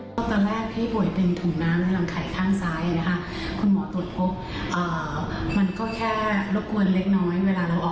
ตอนแรกให้บ่วยเป็นถุงน้ำในหลังไข่ข้างซ้ายคุณหมอตรวจโฟก